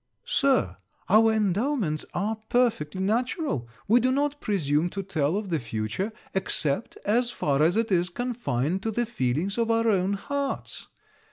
'Sir, our endowments are perfectly natural. We do not presume to tell of the future, except as far as it is confined to the feelings of our own hearts.